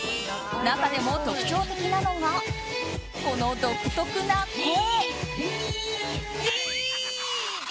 中でも特徴的なのがこの独特な声。